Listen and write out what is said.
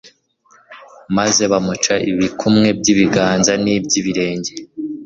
maze bamuca ibikumwe by'ibiganza n'iby'ibirenge